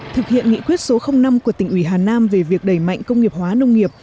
thực hiện nghị quyết số năm của tỉnh ủy hà nam về việc đẩy mạnh công nghiệp hóa nông nghiệp